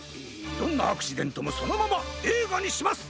どんなアクシデントもそのままえいがにします！